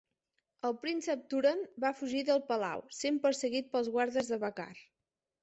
El príncep Turhan va fugir del palau, sent perseguit pels guardes de Bakaar.